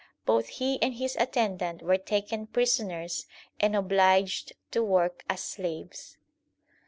Both he and his attendant were taken prisoners and obliged to work as slaves.